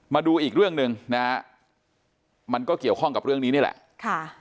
มาดูอีกเรื่องหนึ่งนะฮะมันก็เกี่ยวข้องกับเรื่องนี้นี่แหละค่ะ